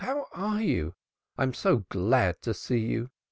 How are you? I'm so glad to see you.